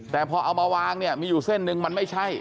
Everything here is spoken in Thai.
แต่พอเอามาวางเนี่ยมีอยู่เส้นหนึ่งมันไม่ใช่